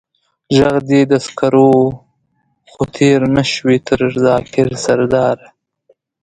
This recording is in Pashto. ژغ دې د سکر و، خو تېر نه شوې تر ذاکر سرداره.